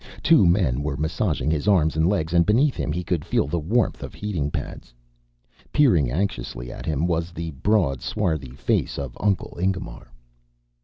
Two men were massaging his arms and legs, and beneath him he could feel the warmth of heating pads. Peering anxiously at him was the broad, swarthy face of Uncle Ingemar.